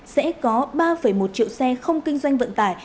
sẽ có ba một triệu xe không kinh doanh vận tải